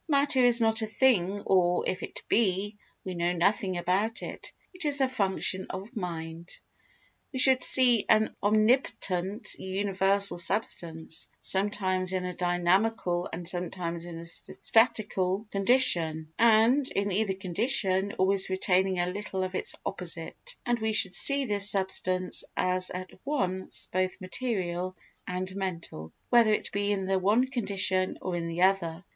Matter is not a thing or, if it be, we know nothing about it; it is a function of mind. We should see an omnipotent, universal substance, sometimes in a dynamical and sometimes in a statical condition and, in either condition, always retaining a little of its opposite; and we should see this substance as at once both material and mental, whether it be in the one condition or in the other.